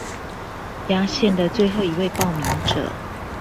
壓線的最後一位報名者